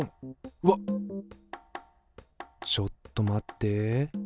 うわっちょっと待って。